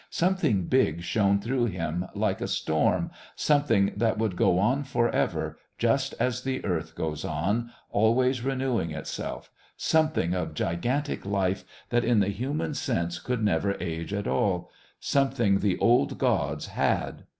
Something big shone through him like a storm, something that would go on for ever just as the Earth goes on, always renewing itself, something of gigantic life that in the human sense could never age at all something the old gods had.